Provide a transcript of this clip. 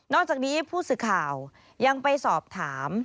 อกจากนี้ผู้สื่อข่าวยังไปสอบถาม